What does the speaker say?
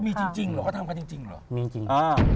มีจริงเขาทำกันจริงเหรออ่ามีจริง